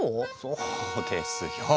そうですよ。